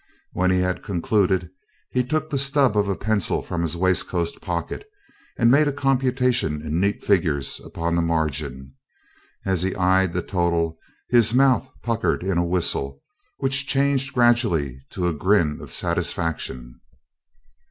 When he had concluded, he took the stub of a pencil from his waistcoat pocket and made a computation in neat figures upon the margin. As he eyed the total his mouth puckered in a whistle which changed gradually to a grin of satisfaction.